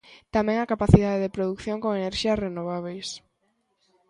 Tamén a capacidade de produción con enerxías renovábeis.